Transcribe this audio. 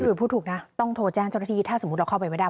คือพูดถูกนะต้องโทรแจ้งเจ้าหน้าที่ถ้าสมมุติเราเข้าไปไม่ได้